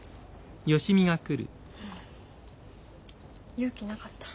勇気なかった。